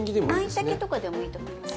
まいたけとかでもいいと思います